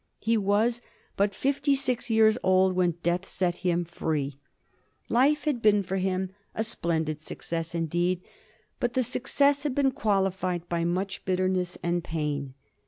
He was but fifty six years old when death set him free. Life had been for him a splendid suc cess indeed, but the success had been qualified by much bitterness and pain.